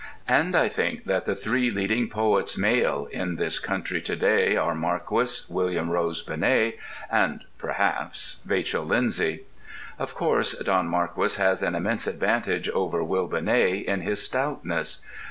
And I think that the three leading poets male in this country to day are Marquis, William Rose Benét, and (perhaps) Vachel Lindsay. Of course Don Marquis has an immense advantage over Will Benét in his stoutness.